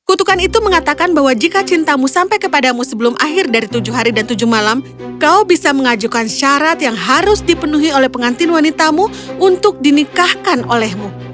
kutukan itu mengatakan bahwa jika cintamu sampai kepadamu sebelum akhir dari tujuh hari dan tujuh malam kau bisa mengajukan syarat yang harus dipenuhi oleh pengantin wanitamu untuk dinikahkan olehmu